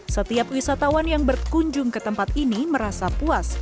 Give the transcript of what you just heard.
setiap wisatawan yang berkunjung ke tempat ini merasa puas